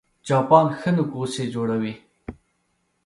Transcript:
چاپان ښه نوک غوڅي جوړوي